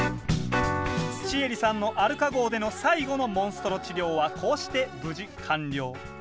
シエリさんのアルカ号での最後のモンストロ治療はこうして無事完了。